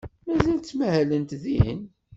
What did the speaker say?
Mazal ttmahalent din?